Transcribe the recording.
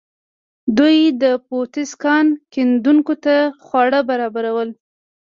دوی د پوتسي کان کیندونکو ته خواړه برابرول.